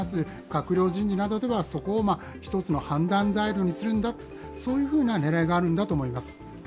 閣僚人事などではそこを一つの判断材料にするんだという狙いがあるんだと思います。